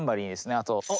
あと。